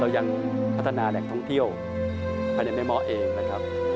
เรายังพัฒนาแหลกท่องเที่ยวไปในแม่ม้อเองนะครับ